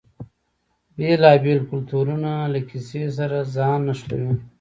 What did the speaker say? بیلابیل کلتورونه له کیسې سره ځان نښلوي.